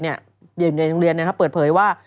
เดี๋ยวเดี๋ยวโดยโรงเรียนเนี่ยนะครับเปิดเผยว่า